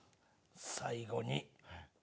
最後に。